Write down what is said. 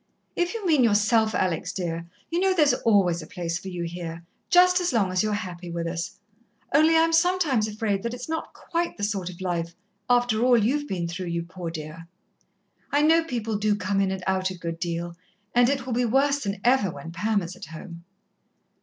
"If you mean yourself, Alex, dear, you know there's always a place for you here. Just as long as you're happy with us. Only I'm sometimes afraid that it's not quite the sort of life after all you've been through, you poor dear. I know people do come in and out a good deal and it will be worse than ever when Pam is at home."